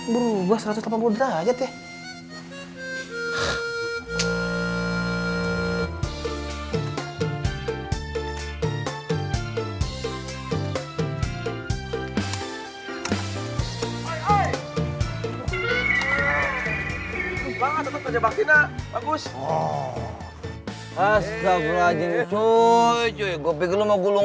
buru gua satu ratus delapan puluh derajat ya